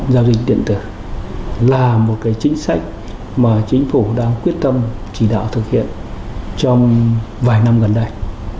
giao dịch điện tử là một chính sách mà chính phủ đang quyết tâm chỉ đạo thực hiện trong vài năm gần đây